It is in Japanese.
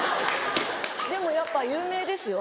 でもやっぱ有名ですよ。